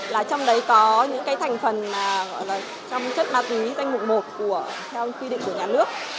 là trong đấy có những cái thành phần gọi là trong chất ma túy danh mục một theo quy định của nhà nước